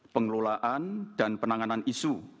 pengelolaan dan penanganan isu